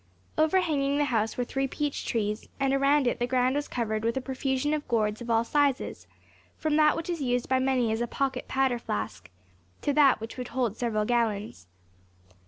Overhanging the house were three peach trees, and around it the ground was covered with a profusion of gourds of all sizes, from that which is used by many as a pocket powder flask to that which would hold several gallons.